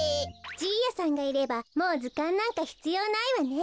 じいやさんがいればもうずかんなんかひつようないわね。